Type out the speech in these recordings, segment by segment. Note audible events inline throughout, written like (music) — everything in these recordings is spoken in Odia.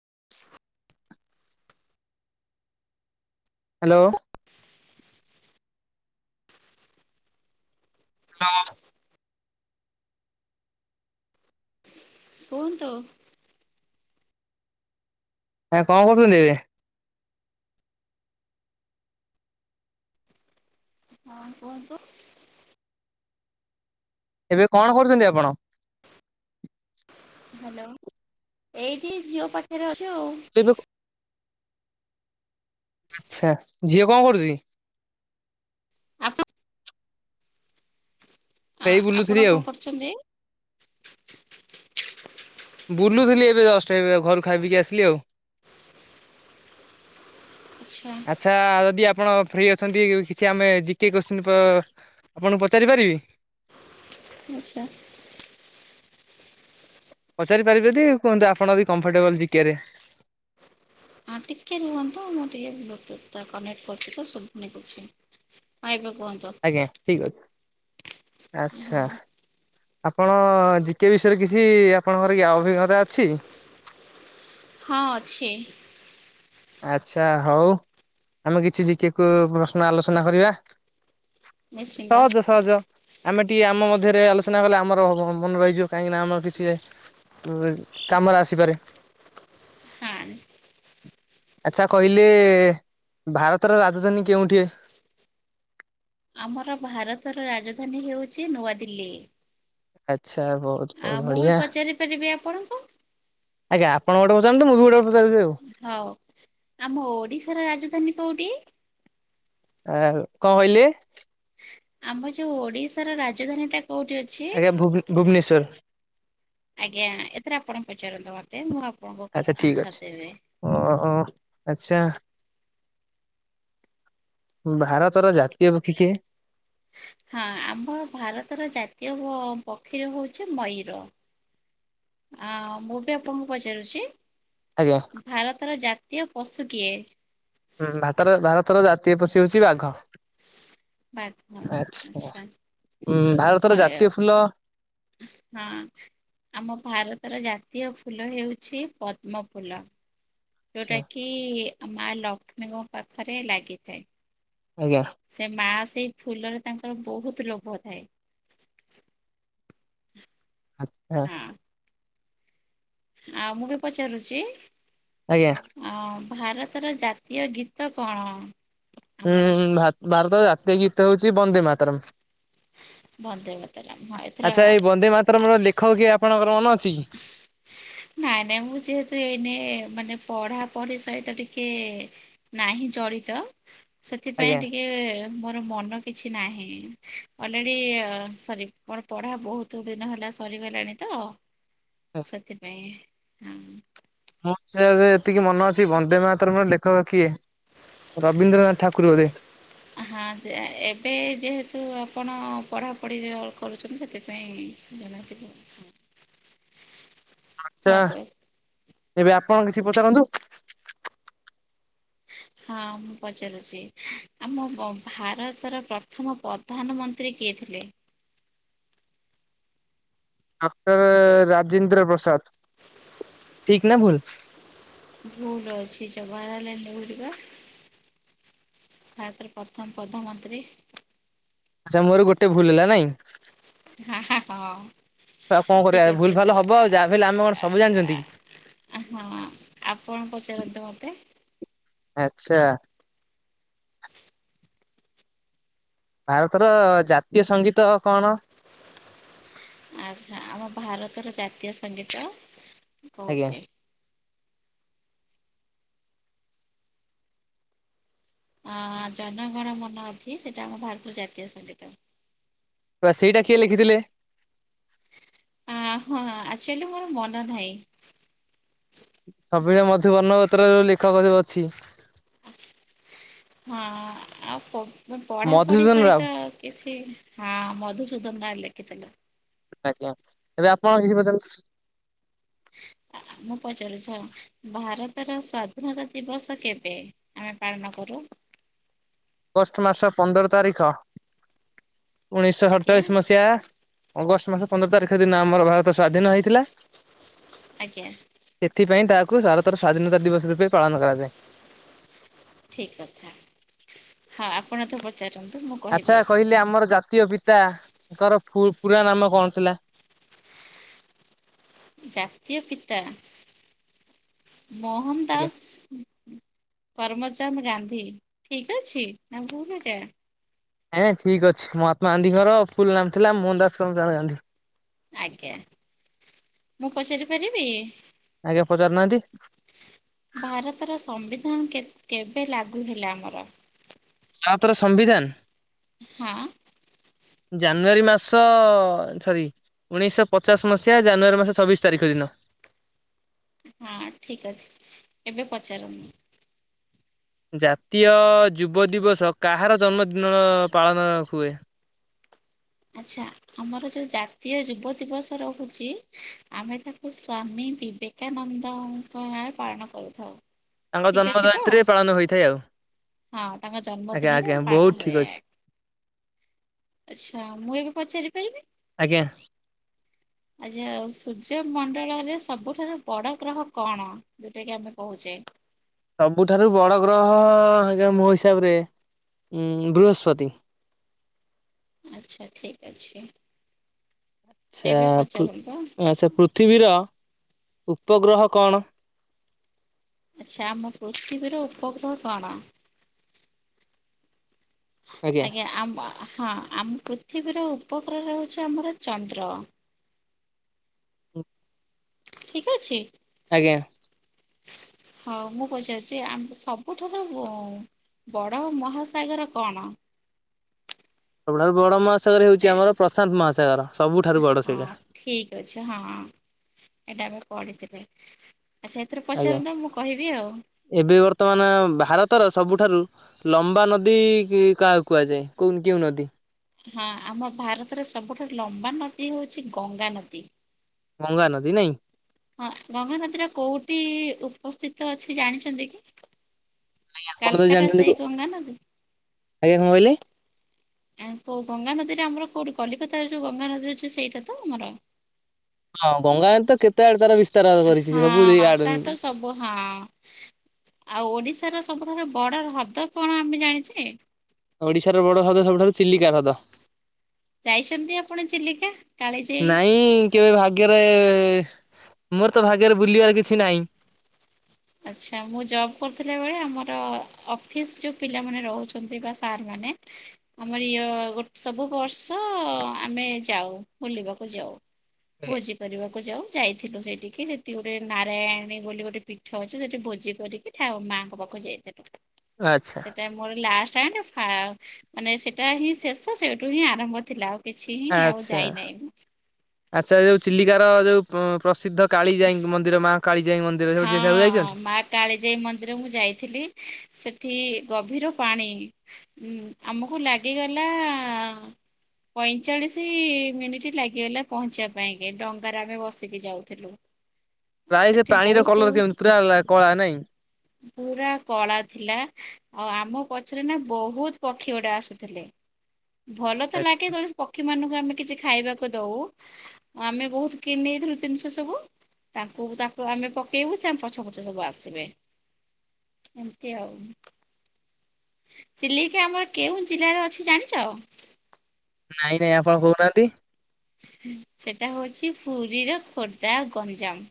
(inaudible) ହ୍ୟାଲୋ ମାଆ କୁହନ୍ତୁ ହଁ କଣ କରୁଛନ୍ତି ଏବେ? ହଁ କୁହନ୍ତୁ ଏବେ କଣ କରୁଛନ୍ତି ଆପଣ? ହ୍ୟାଲୋ ଏଇଠି ଝିଅ ପାଖରେ ଅଛି ଆଉ ଏବେ ଆଚ୍ଛା ଝିଅ କଣ କରୁଛି? ଆପ ଆ ସେଇ ବୁଲୁଥିଲି ଆପଣ ଆଉ କଣ କରୁଛନ୍ତି? ବୁଲୁଥିଲି ଏବେ ଦଶଟାବେ ଘରୁ ଖାଇପିକି ଆସିଲି ଆଉ ଆଚ୍ଛା ଆଚ୍ଛା ଯଦି ଆପଣ ଫ୍ରି ଅଛନ୍ତି କିଛି ଆମେ ଜିକେ କୋଶ୍ଚିଛନ୍ତି ପ ଆପଣଙ୍କୁ ପଚାରିପାରିବି ଆଚ୍ଛା ପଚାରି ପାରିବେଦି କୁହନ୍ତୁ। ଆପଣ କମ୍ଫଟେବୁଲ ଜିକେରେ। ହଁ ଟିକେ ରୁହନ୍ତୁ ମୁଁ ଟିକେ ବ୍ଲୁଥ୍ ଟୁ ଟା କନେକ୍ଟ କରୁଛି ତ ସବୁୁନି କିଛି। ହଁ ଏବେ କୁହନ୍ତୁ। ଆଜ୍ଞା ଠିକ୍ ଅଛି। ହଁ ଆଚ୍ଛା। ଆପଣ ଜିକେ ବିଷୟରେ କିଛି ଆପଣଙ୍କର କି ଅଭିଜ୍ଞତା ଅଛି। ହଁ ଅଛି। ଆଚ୍ଛା ହଉ ଆମେ କିଛି ଜିକେକୁ ପ୍ରଶ୍ନ ଆଲୋଚନା କରିବା। ନିଶ୍ଚିନ୍ତ ସହଜ ସହଜ। ଆମେ ଟିକେ ଆମ ମଧ୍ୟରେ ଆଲୋଚନା କଲେ ଆମର ମନେ ରହିଯିବ। କାହିଁକି ନା ଆମର କିଛି ଉ କାମରେ ଆସିପାରେ। ହଁ ଆଚ୍ଛା କହିଲେ ଭାରତର ରାଜଧାନୀ କେଉଁଠି? ଆମର ଭାରତର ରାଜଧାନୀ ହେଉଛି ନୂଆଦିଲ୍ଲୀ। ଆଚ୍ଛା ହ। ଆଉ ମୁଁ ବି ପଚାରି ପାରିବି ଆପଣଙ୍କୁ? ଆଜ୍ଞା ଆପଣ ଗୋଟେ ପଚାରନ୍ତୁ। ମୁଁ ବି ଗୋଟେ ପଚାରିବି ଆଉ। ହଉ ଆମ ଓଡିଶାର ରାଜଧାନୀ କୋଉଠି? ଆ କଣ କହିଲେ? ଆମ ଯୋଉ ଓଡିଶାର ରାଜଧାନୀ ଟା ଆଜ୍ଞା ଭୁବ୍ ଭୁବନେଶ୍ଵର। ଆଜ୍ଞା ଏଥିରେ ଆପଣଙ୍କୁ ପଚାରନ୍ତୁ ମୋତେ। ମୁଁ ଆପଣଙ୍କୁ ଆଚ୍ଛା ଠିକ ଅଛି ଆନ୍ସର ଦେବି। ଓ ଆଚ୍ଛା। ଭାରତର ଜାତୀୟ ପକ୍ଷୀ କିଏ? ହଁ ଆମ ଭାରତର ଜାତୀୟ ପକ୍ଷୀର ହଉଛି ମୟୂର। ଆଁ ମୁଁ ବି ଆପଣଙ୍କୁ ପଚାରୁଛି। ଆଜ୍ଞା। ଭାରତର ଜାତୀୟ ପଶୁ କିଏ? ହୁଁ ଭାରତର ଭାରତର ଜାତୀୟ ପଶୁ ହଉଛି ବାଘ। ବାଘ ଆଛା ଆଚ୍ଛା ଭାରତର ହୟ ଜାତୀୟ ଫୁଲ ହଁ। ଆମ ଭାରତର ଜାତୀୟ ଫୁଲ ହେଉଛି ପଦ୍ମ ଫୁଲ। ଯଉଟା ଆଚ୍ଛା କିି ମା ଲକ୍ଷ୍ମୀଙ୍କ ପାଖରେ ଲାଗିଥାଏ। ଆଜ୍ଞା। ସେ ମା ସେଇ ଫୁଲରେ ତାଙ୍କର ବହୁତ ଲୋଭ ଥାଏ। ଆଚ୍ଛା। ହଁ ଆଉ ମୁଁ ବି ପଚାରୁଛି। ଆଜ୍ଞା। ହଁ ଭାରତର ଜାତୀୟ ଗୀତ କଣ? ଆମର ହୁଁ ଭାର ଭାରତ ଜାତୀୟ ଗୀତ ହଉଛି ବନ୍ଦେ ମାତାରମ୍ ବନ୍ଦେ ମାତରମ୍ ହଁ ଏଥର ଆଚ୍ଛା ଏଇ ବନ୍ଦେ ମାତାରମ୍ ର ଲେଖ ଲେଖକ କିଏ ଆପଣଙ୍କର ମନେ ଅଛି କି? ନାଇଁ ନାଇଁ ମୁଁ ଯେହେତୁ ଏଇନେ ମାନେ ପଢାପଢି ସହିତ ଟିକେ ନାହିଁ ଜଡିତ। ସେଥିପାଇଁ ଆଜ୍ଞା। ଟିକେ ମୋର ମନ କିଛି ନାହିଁ। ଅଲରେଡି ସରି ମର ପଢା ବହୁତ ଦୁ ଦିନ ହେଲା ସରିଗଲାଣି ତ। ହ ସେଥିପାଇଁ ହୁଁ। ମୁଁ ସେ ଏତିକି ମନ ଅଛି। ବନ୍ଦେ ମାତରମ୍ ର ଲେଖକ କିଏ? ରବୀନ୍ଦ୍ରନାଥ ଠାକୁର୍ ବୋଧେ। ହଁ ଯେ ଏବେ ଯେହେତୁ ଆପଣ ପଢାପଢିରେ କରୁଛନ୍ତି। ସେଥିପାଇଁ ଜନାତିକ। ଆଛା। କୁହନ୍ତୁ ଏବେ ଆପଣ କିଛି ପଚାରନ୍ତୁ? ହଁ ମୁଁ ପଚାରୁଚି। ଆମ ଭାରତର ପ୍ରଥମ ପ୍ରଧାନମନ୍ତ୍ରୀ କିଏ ଥିଲେ? ଡକ୍ଟର ରାଜେନ୍ଦ୍ର ପ୍ରସାଦ। ଠିକ୍ ନା ଭୁଲ? ଭୁଲ ଅଛି। ଜବାହାର ଲାଲ୍ ନେହେରୁ ପା। ଭାରତର ପ୍ରଥମ ପ୍ରଧାନମନ୍ତ୍ରୀ। ଆଚ୍ଛା ମୋର ଗୋଟେ ଭୁଲ ହେଲା ନାଇଁ। ହଁ। ଆଉ କଣ ଠିକ୍ କରିବା ଅଛି ଭୁଲ ଏଥର। ଭାଲ ହବ ଆଉ। ଯାହା ହେଲେ ଆମେ କଣ ସବୁ ଜାଣିଛନ୍ତି। ଆ ହଁ ଆପଣ ପଚାରନ୍ତୁ ମୋତେ। ଆଚ୍ଛା। ଭାରତର ଜାତୀୟ ସଙ୍ଗୀତ କଣ? ଆଚ୍ଛା ଆମ ଭାରତର ଜାତୀୟ ସଙ୍ଗୀତ ଆଜ୍ଞା କହୁଛି। ଆ ଜନଗଣ ମନ ଅଧି, ସେଇଟା ଆମ ଭାରତର ଜାତୀୟ ସଙ୍ଗୀତ। ସେଇଟା କିଏ ଲେଖିଥିଲେ? ଆ ହଁ ଆଚୁଆଲି ମୋର ମନ ନାହିଁ। ଛବିଳ ମଧୁ ବର୍ଣ୍ଣବୋଧ ର ଲେଖକ ଯୋଉ ଅଛି ହଁ ଆଉ ମୁଁ ପଢାପଢି ମଧୁସୂଦନ ରାଉ। ସହିତ କିଛି ହଁ ମଧୁ ସୁଦନ ତାହା ଲେଖିଥିଲେ। ଆଜ୍ଞା। ଏବେ ଆପଣ କିଛି ପଚାରନ୍ତୁ। (inaudible) ମୁଁ ପଚାରୁଚି, ଭାରତର ସ୍ଵାଧୀନତା ଦିବସ କେବେ? ଆମେ ପାଳନ କରୁ। ଅଗଷ୍ଟ ମାସ ପନ୍ଦର ତାରିଖ ଉଣେଇଶହ ଆଜ୍ଞା ସଡଚାଳିଶ ମସିହା ଅଗଷ୍ଟ ମାସ ପନ୍ଦର ତାରିଖ ଦିନ ଆମର ଭାରତ ସ୍ଵାଧୀନ ହେଇଥିଲା। ଆଜ୍ଞା। ସେଥିପାଇଁ ତାହାକୁ ଭାରତର ସ୍ୱାଧୀନତା ଦିବସ ରୂପେ ପାଳନ କରାଯାଏ। ଠିକ୍ କଥା। ହଁ ଆପଣ ତ ପ ଚାରୁଚନ୍ତି ମୁଁ କହିବି ଆଚ୍ଛା ଆଉ କହିଲେ ଆମର ଜାତୀୟ ପିତାଙ୍କର ଫୁଲ୍ ପୁରା ନାମ କଣ ଥିଲା? ଜାତୀୟ ପିତା ମୋହନ ଟିକେ ଦାସ କରମଚାନ୍ଦ ଗାନ୍ଧୀ। ଠିକ ଅଛି ନା ଭୁଲ୍ ଏଟା। ନାଇଁ ନାଇଁ ଠିକ୍ ଅଛି। ମହାତ୍ମା ଗାନ୍ଧି ଙ୍କର ଫୁଲ୍ ନାମ ଥିଲା ମୋହନ ଦାସ କରମ ଚାନ୍ଦ ଗାନ୍ଧୀ। ଆଜ୍ଞା। ମୁଁ ପଚାରି ପାରିବି? ଆଜ୍ଞା ପଚାରୁନାହାନ୍ତି। ଭାରତର ସମ୍ବିଧାନ କେ କେବେ ଲାଗୁ ହେଲା ଆମର? ଭାରତର ସମ୍ବିଧାନ ହଁ। ଜାନୁଆରୀ ମାସ ସରି। ଉଣେଇଶହ ପଚାଶ ମସିହା ଜାନୁଆରୀ ମାସ ଛବିଶ ତାରିଖ ଦିନ। ହଁ ଠିକ୍ ଅଛି। ଏବେ ପଚାରନ୍ତୁ। ଜାତୀୟ ଯୁବ ଦିବସ କାହାର ଜନ୍ମଦିନର ପାଳନ ହୁଏ? ଆଚ୍ଛା। ଆମର ଯୋଉ ଜାତୀୟ ଯୁବ ଦିବସ ରହୁଚି ଆମେ ତାକୁ ସ୍ଵାମୀ ବିବେକ କାନନ୍ଦ ଙ୍କ (unintelligible) ପାଳନ କରୁଥାଉ। ତାଙ୍କ ଠିକ ଜନ୍ମ ଅଛି ତ? ଜୟନ୍ତୀରେ ପାଳନ ହୋଇଥାଏ ଆଉ। ହଁ ତାଙ୍କ ଆଜ୍ଞା ଜନ୍ମଦିନରେ ଆଜ୍ଞା ବହୁତ ପାଳନ ଠିକ ହୁଏ। ଅଛି ଆଚ୍ଛା, ମୁଁ ଏବେ ପଚାରିପାରିବି? ଆଜ୍ଞା। ଆଜା ହଉ ସୂର୍ଯ୍ୟମଣ୍ଡଳରେ ସବୁଠାରୁ ବଡ଼ ଗ୍ରହ କଣ? ଯଉଟା କି ଆମେ କହୁଛେ! ସବୁଠାରୁ ବଡ଼ ଗ୍ରହ, ଆଜ୍ଞା ମୋ ହିସାବରେ ବୃହସ୍ପତି। ଆଚ୍ଛା ଠିକ ଅଛି। ଆଚ୍ଛା ଏବେ ପଚାରନ୍ତୁ। ଆଚ୍ଛା, ପୃଥିବୀର ଉପଗ୍ରହ କଣ? ଆଚ୍ଛା, ଆମ ପୃଥିବୀର ଉପଗ୍ରହ କଣ? ଆଜ୍ଞା, ଆମ ହଁ ଆମ ପୃଥିବୀର ଉପକର ହେଉଛି ଆମର ଚନ୍ଦ୍ର। ଠିକ ଅଛି। ଆଜ୍ଞା। ହଉ ମୁଁ ପଚାରୁଛି, ଆମକୁ ସବୁଠାରୁ ବଡ ମହାସାଗର କଣ? ସବୁଠାରୁ ବଡ଼ ମହାସାଗର ଏ ହେଉଛି ଆମର ପ୍ରଶାନ୍ତ ମହାସାଗର। ସବୁଠାରୁ ବଡ଼ ସେଇଟା। ହଁ ଠିକ ଅଛି ହଁ। ଏଇଟା ମୁଁ ପଢ଼ିଥିଲି। ଆଚ୍ଛା ଏଥିରେ ଆଜ୍ଞା। ପଚାରନ୍ତୁ, ମୁଁ କହିବି ଆଉ ଏବେ ବର୍ତ୍ତମାନ ଭାରତର ସବୁଠାରୁ ଲମ୍ବା ନଦୀ କାହାକୁ କୁହାଯାଏ? କୋଉଁ କେଉଁ ନଦୀ? ହଁ ଆମ ଭାରତରେ ସବୁଠାରୁ ଲମ୍ବା ନଦୀ ହଉଛି ଗଙ୍ଗା ନଦୀ। ଗଙ୍ଗା ନଦୀ ନାଇଁ। ହଁ ଗଙ୍ଗାନଦୀର କୋଉଠି ଉପସ୍ଥିତ ଅଛି ଜାଣିଛନ୍ତି କି? ଆଜ୍ଞା ଆପଣ ତ କାଲକାଟା ସେଇ ଜାଣିଥିବେ। ଆଜ୍ଞା! ଗଙ୍ଗା ନଦୀ? କଣ କହିଲେ? ଆ କଉ ଗଙ୍ଗାନଦୀରେ ଆମର କେଉଁଠି କଲିକତାର ଯେଉଁ ଗଙ୍ଗାନଦୀ ଅଛି ସେଇଟା ତ ଆମର ହଁ ଗଙ୍ଗା ତ କେତେ ଆଡେ ତାର ବିସ୍ତାର କରିଛି। ସବୁ ଏଇ ହଁ ଆଡେ। ତା ତ ସବୁ ହଁ। ଆଉ ଓଡିଶାର ସବୁଠାରୁ ବଡ ହ୍ରଦ କଣ ଆମେ ଜାଣିଛେ? ଓଡିଶାର ବଡ ହ୍ରଦ ସବୁଠାରୁ ଚିଲିକା ହ୍ରଦ। ଯାଇଛନ୍ତି ଆପଣ ଚିଲିକା କାଳି ଯାଇ? ନାଇଁ କେବେ ଭାଗ୍ୟରେ ମୋର ତ ଭାଗ୍ୟରେ ବୁଲିବାର କିଛି ନାହିଁ। ଆଚ୍ଛା। ମୁଁ ଜବ୍ କରୁଥିଲା ବେଳେ, ଆମର ଅଫିସ ଯୋଉ ପିଲାମାନେ ରହୁଛନ୍ତି ଏମିତିବା ବା ସାର୍ ମାନେ ଆମର ଇଏ ଗୋଟେ ସବୁ ବର୍ଷ ଆମେ ଯାଉ ବୁଲିବାକୁ ଯାଉ। ଭୋଜି କରିବାକୁ ଯାଉ ଯାଇଥିଲୁ। ସେଇଠିକି ସେଠି ଗୋଟେ ନାରାୟଣୀ ବୋଲି ଗୋଟେ ଅଛି ସେଠି ଭୋଜି କରିକି ମାଆଙ୍କ ପାଖକୁ ଯାଇଥିଲୁ। ଆଚ୍ଛା ସେଟା ମୋର ଲାଷ୍ଟ ଏଣ୍ଡ ଫାଷ୍ଟ, ସେଇଟା ହିଁ ଶେଷ ସେଇଠୁ ହିଁ ଆରମ୍ଭ ଥିଲା। ଆଉ କିଛି ହିଁ ଆଉ ଆଚ୍ଛା! ଯାଇନାହିଁ। ଆଚ୍ଛା! ଯୋଉ ଚିଲିକାର ଯୋଉ ପ୍ରସିଦ୍ଧ କାଳିଜାଇୀ ମନ୍ଦିର ମା କାଳିଜାଇୀ ମନ୍ଦିର ହଁ ସେଠୁ ସେଠାକୁ ଯାଇଛନ୍ତି। ମା କାଳିଜାଇ ମନ୍ଦିର ମୁ ଯାଇଥିଲି। ସେଠି ଗଭୀର ପାଣି। ହୁଁ ଆମକୁ ଲାଗିଗଲା- ପଇଁଚାଳିଶ ମିନିଟ୍ ଲାଗିଗଲା ପହଞ୍ଚିବା ପାଇଁକି ଡଙ୍ଗାରେ ଆମେ ବସିକି ଯାଉଥିଲୁ। ପ୍ରାୟ ସେ ସେଠି ପାଣିର ବହୁତ କଲର କେମତି ପୁରା ହେଲା କଳା ନାଇଁ। ପୁରା କଳା ଥିଲା। ଆଉ ଆମ ପଛରେ ନା ବହୁତ ପକ୍ଷୀ ଗୋଟେ ଆସୁଥିଲେ। ଭଲ ତ ଲାଗେ ଆଚ୍ଛା। ପକ୍ଷୀ ମାନଙ୍କୁ ଆମେ କିଛି ଖାଇବାକୁ ଦଉ। ଆମେ ବହୁତ କିଣିଦେଇଥିଲୁ ଜତିନି ସବୁ ତାଙ୍କୁ ତା ତ ଆମେ ପକେଇବୁ ସେ ଆମ ପଛ ପଛ ସବୁ ଆସିବେ ଏମିତି ଆଉ। ଚିଲିକା ଆମର କେଉ ଜିଲ୍ଲାରେ ଅଛି ଜାଣିଛ? ନାଇଁ ନାଇଁ ଆପଣ କହୁନାହାନ୍ତି? ସେଟା ହଉଛି ପୁରୀର ଖୋର୍ଦ୍ଧା ଗଞ୍ଜାମ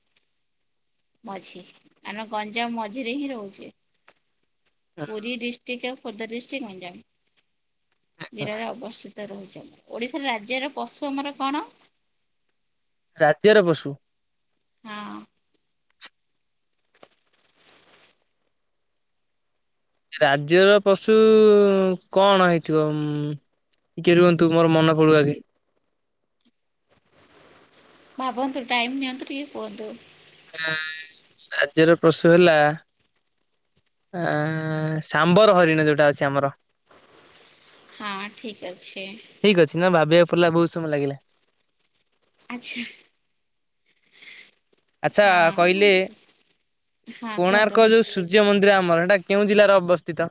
ମଝି ଆମେ ଗଞ୍ଜାମ ମଝିରେ ହିଁ ରହୁଛେ। ପୁରୀ ଡିଷ୍ଟ୍ରିକ୍ଟ ଆଉ ଖୋର୍ଦ୍ଧା ଡିଷ୍ଟ୍ରିକ୍ଟ ଗଞ୍ଜାମ ଜିଲ୍ଲାରେ ଅବସ୍ଥିତ। ତ ରହୁଛି ଆମର ଓଡ଼ିଶା ରାଜ୍ୟର ପଶୁ ଆମର କଣ? ରାଜ୍ୟର ପଶୁ? ହଁ। ରାଜ୍ୟର ପଶୁ କଣ ହେଇଥିବ ଉଁ ଟିକେ ରୁହନ୍ତୁ ମୋର ମନ ପଡୁ ଆଗେ। ଭାବନ୍ତୁ ଟାଇମ୍ ନିଅନ୍ତୁ ଟିକେ କୁହନ୍ତୁ। ଏଁ ରାଜ୍ୟର ପଶୁ ହେଲା ଆଃ ସାମ୍ବର ହରିଣ ଯେଉଁଟା ଅଛି ଆମର। ହଁ ଠିକ ଅଛି। ଠିକ୍ ଅଛି ନା ଭାବିବାକୁ ପଡିଲା ବହୁତ ସମୟ ଲାଗିଲା। ଆଚ୍ଛା। ଆଚ୍ଛା ହଁ କହିଲେ ହଁ କୁହନ୍ତୁ। କୋଣାର୍କ ଯୋଉ ସୁ ସୂଯ୍ୟ ମନ୍ଦିର ଆମର ହେଟା କେଉଁ ଜିଲ୍ଲାରେ ଅବସ୍ଥିତ।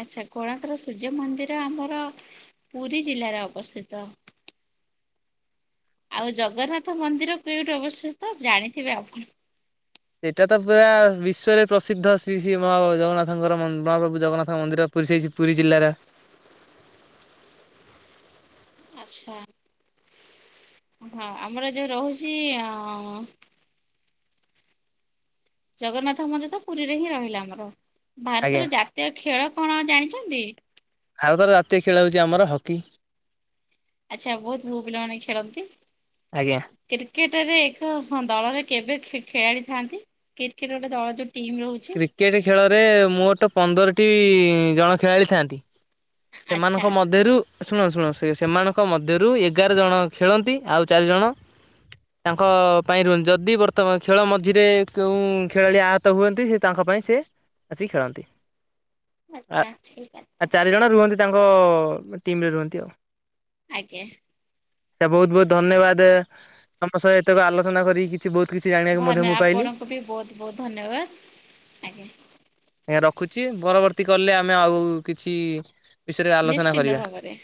ଆଚ୍ଛା କୋଣାର୍କ ସୂର୍ଯ୍ୟ ମନ୍ଦିର ଆମର ପୁରୀ ଜିଲ୍ଲାରେ ଅବସ୍ଥିତ। ଆଉ ଜଗନ୍ନାଥ ମନ୍ଦିର କେଉଠି ଅବସ୍ଥିସ୍ତ ଜାଣିଥିବେ ଆପଣ। ଏଇଟା ତ ପୁରା ବିଶ୍ୱରେ ପ୍ରସିଦ୍ଧ ଶ୍ରୀ ଶ୍ରୀ ମହା ଜଗନ୍ନାଥଙ୍କର ମ୍ ମହାପ୍ରଭୁ ଜଗନ୍ନାଥଙ୍କ ମନ୍ଦିର ପୁରୀ ସେ ପୁରୀ ଜିଲ୍ଲାର ଆଚ୍ଛା ହଁ ଆମର ଯୋଉ ରହୁଛି ଆଃ ଜଗନ୍ନାଥ ମନ୍ଦିର ତ ପୁରୀରେ ହିଁ ରହିଲା ଆମର ଆଜ୍ଞା ଭାରତର ଜାତୀୟ ଖେଳ କଣ ଜାଣିଛନ୍ତି। ଭାରତର ଜାତୀୟ ଖେଳ ହେଉଛି ଆମର ହକି। ଆଚ୍ଛା ବହୁତ ପୁଅ ପିଲାମାନେ ଖେଳନ୍ତି। ଆଜ୍ଞା। କ୍ରିକେଟରେ ଏକ ଦଳରେ କେବେ ଖେ ଖେଳିଥାନ୍ତି କ୍ରିକେଟ ଗୋଟେ ଦଳ ଯୋଉ ଟିମ୍ ରହୁ କ୍ରିକେଟ ଖେଳରେ ମୋଟ ପନ୍ଦରଟି ଜଣ ଖେଳାଳି ଥାଆନ୍ତି। ଆଚ୍ଛା ସେମାନଙ୍କ ମଧ୍ୟରୁ ଆଉ ଶୁଣ ଶୁଣ ସେ ସେମାନଙ୍କ ମଧ୍ୟରୁ ଏଗାର ଜଣ ଖେଳନ୍ତି ଆଉ ଚାରିଜଣ ତାଙ୍କ ପାଇଁ ରୁଲ ଯଦି ବର୍ତ୍ତମାନ ଖେଳ ମଝିରେ କେଉଁ ଖେଳାଳି ଆହତ ହୁଅନ୍ତି ସେ ତାଙ୍କ ପାଇଁ ସେ ଆସିିକ ଖେଳନ୍ତି ଆଃ ଆଚ୍ଛା ଠିକ ଅଛି। ଆଉ ଚାରିଜଣ ରୁହନ୍ତି ତାଙ୍କ ଟିମ୍ ରେ ରୁହନ୍ତି ଆଉ। ଆଜ୍ଞା। ଆଚ୍ଛା ବହୁତ ବହୁତ ଧନ୍ୟବାଦ ତମ ସହିତ ଆଲୋଚନା କରି କିଛି ବହୁତ କିଛି ଜାଣିବାକୁ ମଧ୍ୟ ଧନ୍ୟ ମୁଁ ପାଇଲି। ଆପଣଙ୍କୁ ବି ବହୁତ ବହୁତ ଧନ୍ୟବାଦ ଆଜ୍ଞା। ଅଜ୍ଞା ରଖୁଛି ପରବର୍ତ୍ତୀ କଲରେ ଆମେ ଆଉ କିଛି ବିଷୟରେ ଆଲୋଚନା ନିଶ୍ଚିତ କରିବା ଭାବରେ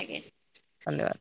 ଆଜ୍ଞା। ଧନ୍ୟବାଦ।